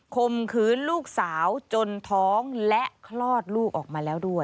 ข่มขืนลูกสาวจนท้องและคลอดลูกออกมาแล้วด้วย